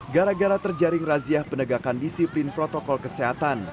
gara gara terjaring razia penegakan disiplin protokol kesehatan